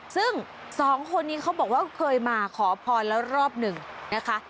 ซึ่งสองคนนี้เขาบอกว่าเคยมาขอพรแล้วรอบหนึ่งนะคะ